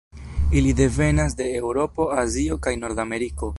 Ili devenas de Eŭropo, Azio, kaj Nordameriko.